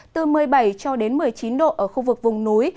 từ một mươi bảy cho đến một mươi chín độ ở khu vực vùng núi